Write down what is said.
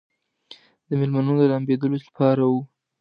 د مېلمنو د لامبېدلو لپاره و.